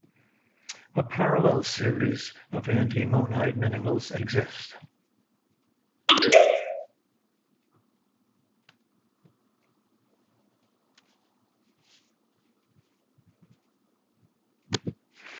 A parallel series of antimonide minerals exist.